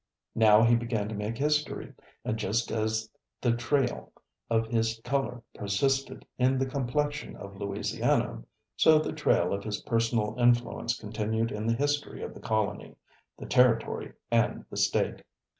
Now he began to make history, and just as the trail of his color persisted in the complexion of Louisiana, so the trail of his personal influence continued in the history of the colony, the territory and the State.